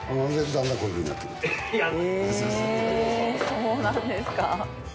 そうなんですか。